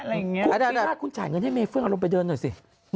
คุกซีล่าคุณจ่ายเงินให้เมเฟื่องเอาลงไปเดินหน่อยสิ